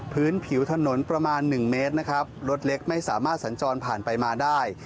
พื้นผิวถนนประมาณหนึ่งเมตรนะครับรถเล็กไม่สามารถสัญจรผ่านไปมาได้